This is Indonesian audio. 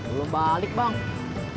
belum balik bang